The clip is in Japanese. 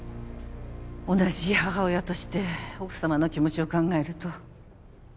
同じ母親として奥様の気持ちを考えると。